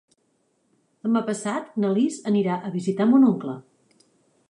Demà passat na Lis anirà a visitar mon oncle.